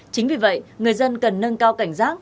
chính vì vậy người dân cần nâng cao cảnh giác